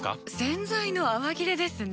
洗剤の泡切れですね。